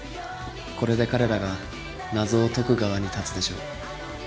これで彼らが謎を解く側に立つでしょう。